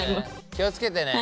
気を付けてね。